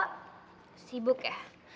hai si buket